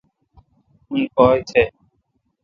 اون پاک تھ۔